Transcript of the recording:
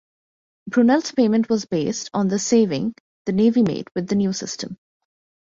Brunel's payment was based on the saving the Navy made with the new system.